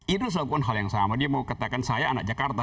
itu suatu hal yang sama dia mau katakan saya anak jakarta